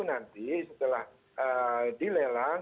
nanti setelah dilelang